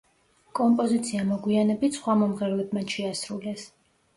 კომპოზიცია მოგვიანებით სხვა მომღერლებმაც შეასრულეს.